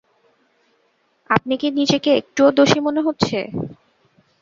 আপনি কি নিজেকে একটুও দোষী মনে হচ্ছে?